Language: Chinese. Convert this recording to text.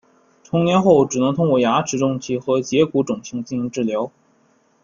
成年后只能通过牙齿正畸和截骨整形进行治疗。